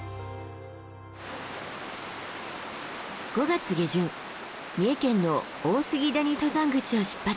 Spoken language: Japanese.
５月下旬三重県の大杉谷登山口を出発。